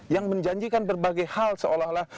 yang menjanjikan berbagai hal seolah olah